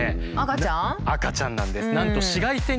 赤ちゃんなんです。